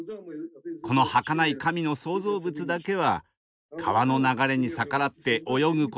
このはかない神の創造物だけは川の流れに逆らって泳ぐことができます。